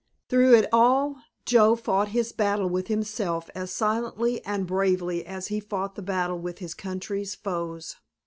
Through it all Joe fought his battle with himself as silently and bravely as he fought the battle with his country's foes.